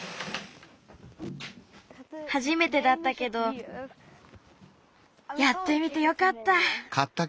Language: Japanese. はじめてだったけどやってみてよかった！